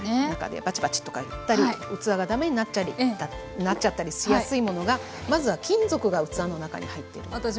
中でバチバチとかいったり器が駄目になっちゃったりしやすいものがまずは金属が器の中に入っているもの。